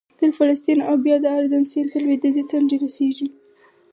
تر فلسطین او بیا د اردن سیند تر لوېدیځې څنډې رسېږي